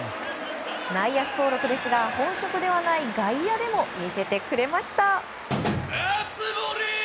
内野手登録ですが本職ではない外野でも見せてくれました。